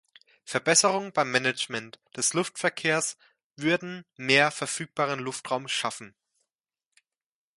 Verbesserungen beim Management des Luftverkehrs würden mehr verfügbaren Luftraum schaffen.